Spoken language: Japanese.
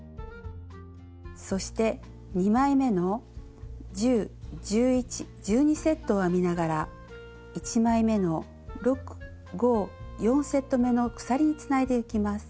そして２枚めの１０１１１２セットを編みながら１枚めの６５４セットめの鎖につないでいきます。